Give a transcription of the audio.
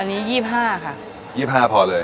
อันนี้ยี่สิบห้าค่ะยี่สิบห้าพอเลยค่ะ